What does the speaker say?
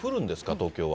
東京は。